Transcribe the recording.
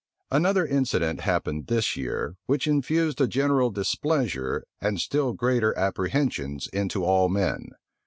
Another incident happened this year, which infused a general displeasure, and still greater apprehensions, into all men.